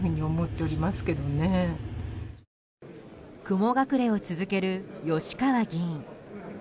雲隠れを続ける吉川議員。